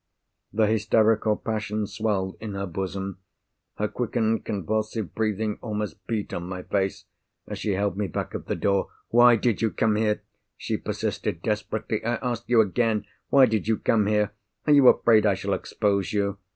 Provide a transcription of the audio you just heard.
The hysterical passion swelled in her bosom—her quickened convulsive breathing almost beat on my face, as she held me back at the door. "Why did you come here?" she persisted, desperately. "I ask you again—why did you come here? Are you afraid I shall expose you?